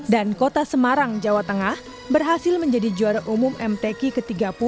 dan kota semarang jawa tengah berhasil menjadi juara umum mtk ke tiga puluh